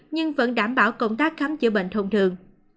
nhưng vẫn đảm bảo công tác khám chữa bệnh thông thường